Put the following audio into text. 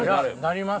なります。